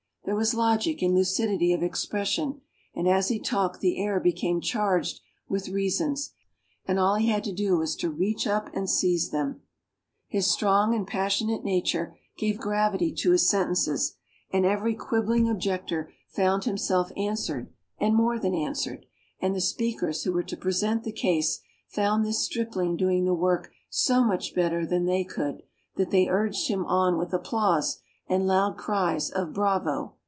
There was logic and lucidity of expression, and as he talked the air became charged with reasons, and all he had to do was to reach up and seize them. His strong and passionate nature gave gravity to his sentences, and every quibbling objector found himself answered, and more than answered, and the speakers who were to present the case found this stripling doing the work so much better than they could, that they urged him on with applause and loud cries of "Bravo!